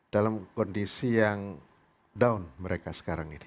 dalam kondisi yang down mereka sekarang ini